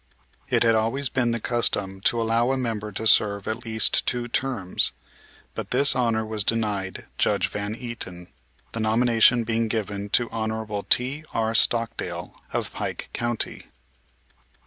It had always been the custom to allow a member to serve at least two terms; but this honor was denied Judge Van Eaton, the nomination being given to Honorable T.R. Stockdale, of Pike county.